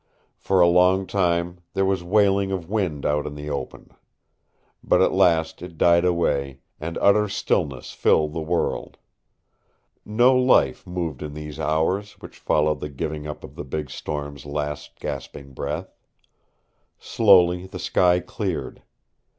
For a long time there was wailing of wind out in the open. But at last it died away, and utter stillness filled the world. No life moved in these hours which followed the giving up of the big storm's last gasping breath. Slowly the sky cleared.